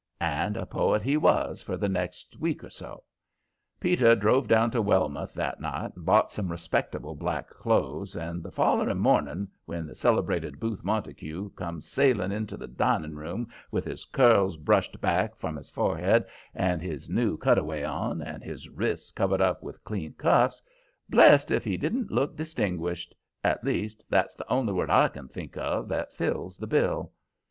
And a poet he was for the next week or so. Peter drove down to Wellmouth that night and bought some respectable black clothes, and the follering morning, when the celebrated Booth Montague come sailing into the dining room, with his curls brushed back from his forehead, and his new cutaway on, and his wrists covered up with clean cuffs, blessed if he didn't look distinguished at least, that's the only word I can think of that fills the bill.